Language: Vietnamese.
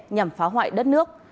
nhằm phá hoại đất nước